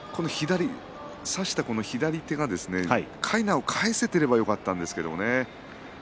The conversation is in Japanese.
差した左の手がかいなを返せればよかったんですけれどもね。